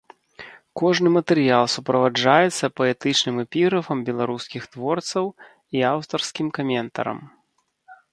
Кожны матэрыял суправаджаецца паэтычным эпіграфам беларускіх творцаў і аўтарскім каментарам.